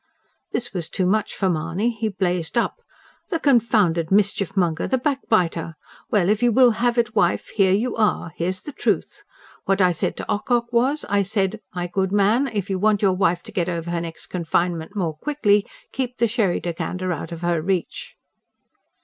This was too much for Mahony. He blazed up. "The confounded mischiefmonger the backbiter! Well, if you will have it, wife, here you are ... here's the truth. What I said to Ocock was: I said, my good man, if you want your wife to get over her next confinement more quickly, keep the sherry decanter out of her reach."